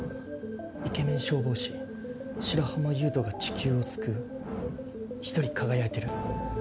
「イケメン消防士」「白浜優斗が地球を救う」「１人輝いてる」